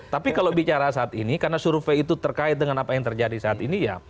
tapi kalau bicara saat ini karena survei itu terkait dengan apa yang terjadi saat ini ya